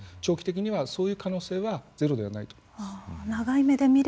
長期的にはそういう可能性はゼロではないと思います。